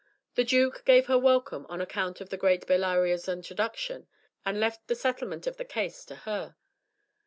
The duke gave her welcome on account of the great Bellario's introduction, and left the settlement of the case to her.